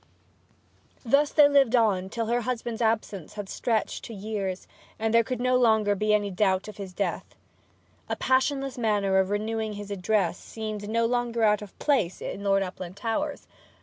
Thus they lived on till her husband's absence had stretched to years, and there could be no longer any doubt of his death. A passionless manner of renewing his addresses seemed no longer out of place in Lord Uplandtowers.